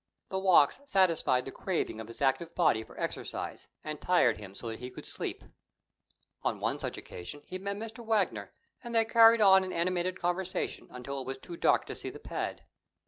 The walks satisfied the craving of his active body for exercise, and tired him so he could sleep. On one such occasion he met Mr. Wagner, and they carried on an animated conversation until it was too dark to see the pad.